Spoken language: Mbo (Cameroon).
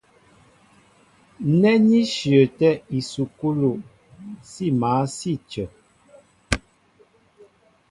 Nɛ́ ní shyəətɛ́ ísukúlu, sí mǎl sí a cə.